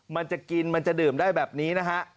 มันจะกินมันจะดื่มได้แบบนี้นะฮะ